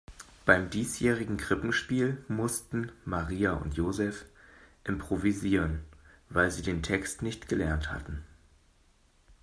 Beim diesjährigen Krippenspiel mussten Maria und Joseph improvisieren, weil sie den Text nicht gelernt hatten.